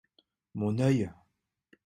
Mon œil !